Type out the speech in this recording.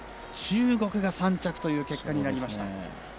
中国が３着という結果になりました。